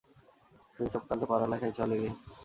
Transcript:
শৈশবকাল তো পড়ালেখায় চলে গে।